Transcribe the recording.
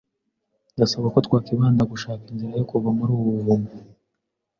Ndasaba ko twakwibanda ku gushaka inzira yo kuva muri ubu buvumo.